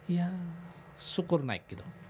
ya syukur naik gitu